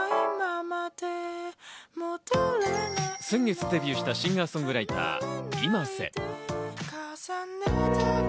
先月デビューしたシンガー・ソングライター、ｉｍａｓｅ。